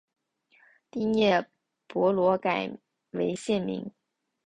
第聂伯罗改为现名。